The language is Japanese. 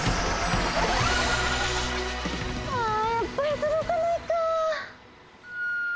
あやっぱりとどかないかぁ。